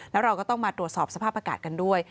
แล้วเราก็ต้องมาตรวจสอบสภาพอากาศกันด้วย